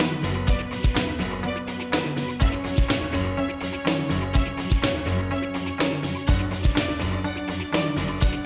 om harus kesana sekarang